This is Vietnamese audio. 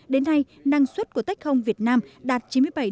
đến nay năng suất của tech home việt nam đạt chín mươi bảy chín mươi tám